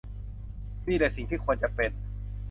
นี่แหละสิ่งที่ควรจะเป็น